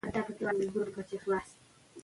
ماشوم له خپلې ژبې نه شرمېږي.